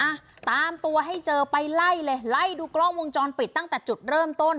อ่ะตามตัวให้เจอไปไล่เลยไล่ดูกล้องวงจรปิดตั้งแต่จุดเริ่มต้น